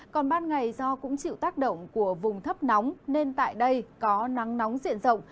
còn ban ngày do cũng chịu tác động của vùng thấp nóng nên tại đây có nắng nóng diện rộng